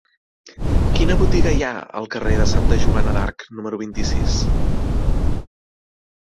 Quina botiga hi ha al carrer de Santa Joana d'Arc número vint-i-sis?